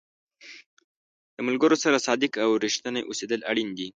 د ملګرو سره صادق او رښتینی اوسېدل اړین دي.